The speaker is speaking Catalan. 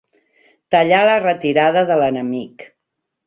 Tallar la retirada de l'enemic.